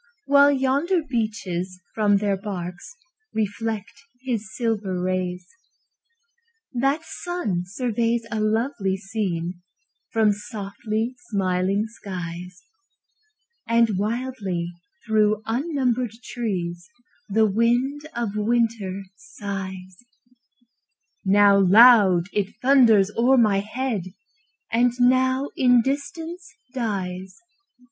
While yonder beeches from their barks Reflect his silver rays. That sun surveys a lovely scene From softly smiling skies; And wildly through unnumbered trees The wind of winter sighs: Now loud, it thunders o'er my head, And now in distance dies.